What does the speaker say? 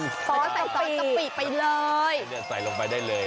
ขอใส่ตอนกะปิไปเลยนี่เนี่ยใส่ลงไปได้เลย